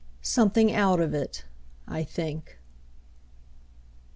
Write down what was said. Something out of it, I think.